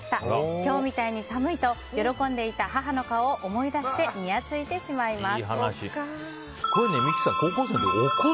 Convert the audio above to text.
今日みたいに寒いと喜んでいた母の顔を思い出してにやついてしまいます。